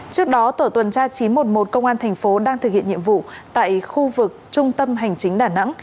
trước đó tổ tuần tra chín trăm một mươi một công an thành phố đang thực hiện nhiệm vụ tại khu vực trung tâm hành chính đà nẵng